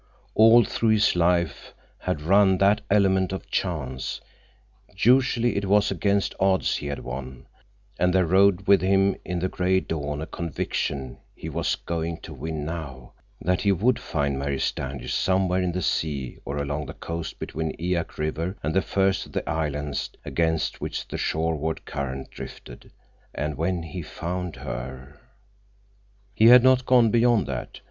All through his life had run that element of chance; usually it was against odds he had won, and there rode with him in the gray dawn a conviction he was going to win now—that he would find Mary Standish somewhere in the sea or along the coast between Eyak River and the first of the islands against which the shoreward current drifted. And when he found her— He had not gone beyond that.